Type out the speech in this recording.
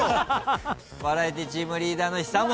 バラエティチームリーダーの久本さん。